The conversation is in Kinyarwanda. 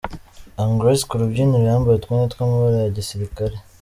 Young Grace ku rubyiniro yambaye utwenda tw’amabara ya gisirikare.